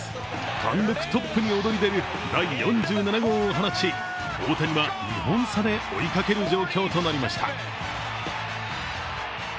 単独トップに踊り出る第４７号を放ち大谷は２本差で追いかける状況となりました。